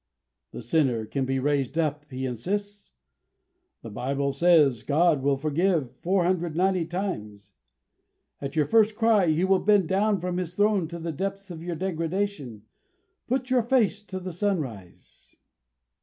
'" The sinner can be raised up, he insists. "The Bible says God will forgive 490 times. At your first cry He will bend down from his throne to the depths of your degradation. Put your face to the sunrise."